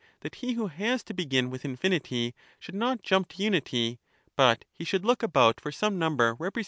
jump at that he who has to begm with infinity should not jump to once to unity, but he should look about for some number represent ^^^^^^^